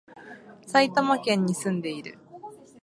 埼玉県に住んでいる